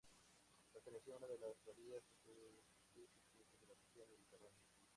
Pertenecía a una de las varias especies extintas de la región mediterránea.